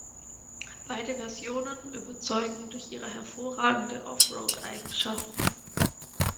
Beide Versionen überzeugen durch ihre hervorragende Off-Road-Eigenschaften.